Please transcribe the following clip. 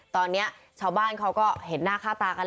ตอนนี้ชาวบ้านเขาก็เห็นหน้าค่าตากัน